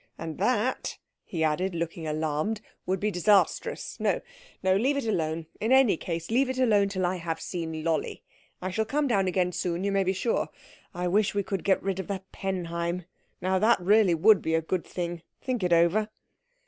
And that," he added, looking alarmed, "would be disastrous. No, no, leave it alone. In any case leave it alone till I have seen Lolli. I shall come down soon again, you may be sure. I wish we could get rid of the Penheim. Now that really would be a good thing. Think it over."